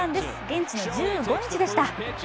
現地の１５日でした。